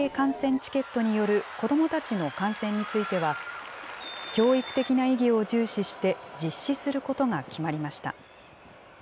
チケットによる子どもたちの観戦については、教育的な意義を重視して実施することが決まりました。